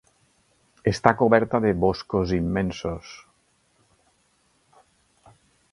Està coberta de boscos immensos.